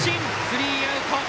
スリーアウト。